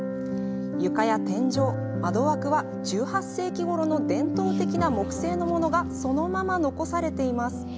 床や天井、窓枠は１８世紀ごろの伝統的な木製のものがそのまま残されています。